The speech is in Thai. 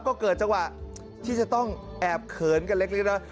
ก็เกิดจังหวะที่จะต้องแอบเขินกันเล็กนะ